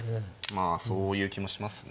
まあそういう気もしますね。